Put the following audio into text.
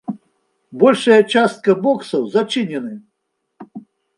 Большая частка боксаў зачынены.